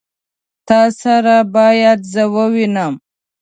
تا سره بايد زه ووينم.